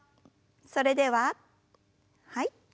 それでははい。